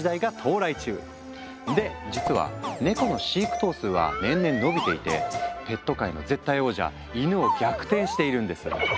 で実はネコの飼育頭数は年々伸びていてペット界の絶対王者イヌを逆転しているんです。